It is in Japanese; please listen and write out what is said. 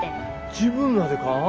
自分らでか？